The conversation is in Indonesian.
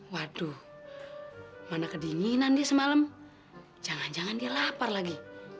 waduh mana kedinginan dia semalam jangan jangan dia lapar lagi